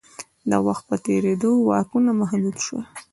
د وخت په تېرېدو واکونه محدود شول.